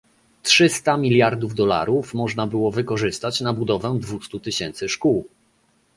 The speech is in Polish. Trzysta miliardów dolarów można było wykorzystać na budowę dwustu tysięcy szkół